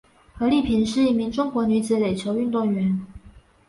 何丽萍是一名中国女子垒球运动员。